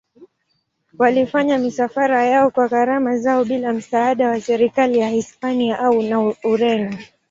Walifanya misafara yao kwa gharama zao bila msaada wa serikali ya Hispania au Ureno.